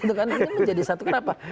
itu kan menjadi satu kenapa